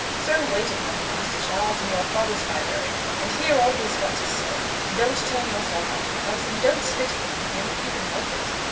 So wait upon him, Master Charles, in your father's library, and hear all he has got to say; and don't turn yourself out of the house; and don't spit upon him if you can help it.